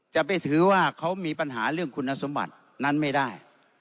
จะไปถือว่าเขามีปัญหาเรื่องคุณสมบัตินั้นไม่ได้